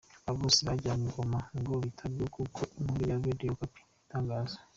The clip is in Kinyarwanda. Aba bose bajyanywe i Goma ngo bitabweho nk’uko inkuru ya Radio Okapi ibitangaza.